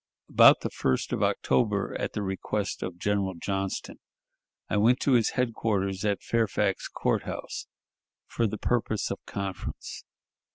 About the 1st of October, at the request of General Johnston, I went to his headquarters, at Fairfax Court House, for the purpose of conference.